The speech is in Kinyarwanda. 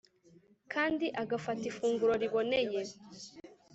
kandi agafata ifunguro riboneye